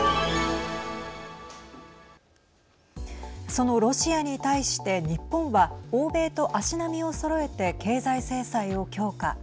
そのロシアに対して日本は欧米と足並みをそろえて経済制裁を強化。